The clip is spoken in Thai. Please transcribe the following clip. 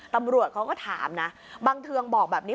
ตำรวจเขาก็ถามนะบังเทืองบอกแบบนี้